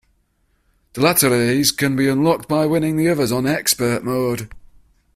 The latter of these can be unlocked by winning the others on "Expert" mode.